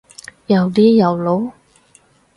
又呢又路？